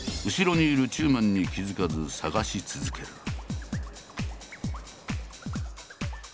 後ろにいる中馬に気付かず探し続ける。